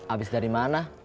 abis dari mana